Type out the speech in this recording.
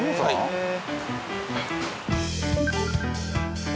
へえ。